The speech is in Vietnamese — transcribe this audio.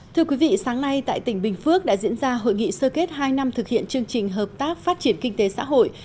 thưa quý vị sáng nay tại tỉnh bình phước đã diễn ra hội nghị sơ kết hai năm thực hiện chương trình hợp tác phát triển kinh tế xã hội